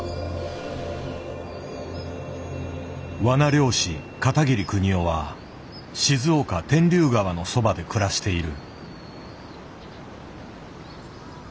わな猟師片桐邦雄は静岡天竜川のそばで暮らしている。